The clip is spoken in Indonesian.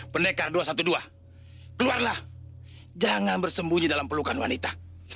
pendekar dua ratus dua belas keluarlah jangan bersembunyi dalam pelukan wanita